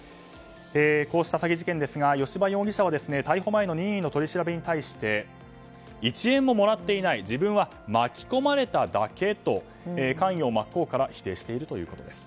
こうした詐欺事件ですが吉羽容疑者は逮捕前の任意の取り調べに対して１円ももらっていない自分は巻き込まれただけと関与を真っ向から否定しているということです。